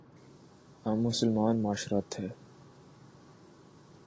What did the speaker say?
ہم مسلمان معاشرہ تھے۔